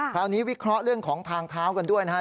คราวนี้วิเคราะห์เรื่องของทางเท้ากันด้วยนะฮะ